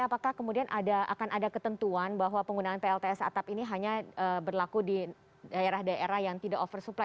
apakah kemudian akan ada ketentuan bahwa penggunaan plts atap ini hanya berlaku di daerah daerah yang tidak oversupply